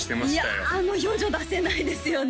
いやあの表情出せないですよね